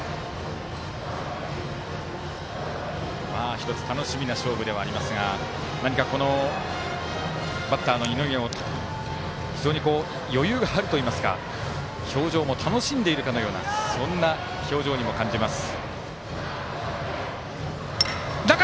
１つ、楽しみな勝負ではありますが何かこのバッターの二宮も非常に余裕があるといいますか表情も楽しんでいるかのようなそんな表情にも感じます。